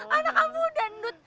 anak aku udah nundut